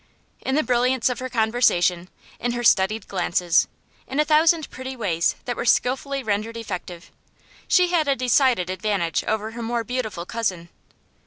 In the brilliance of her conversation, in her studied glances, in a thousand pretty ways that were skillfully rendered effective, she had a decided advantage over her more beautiful cousin.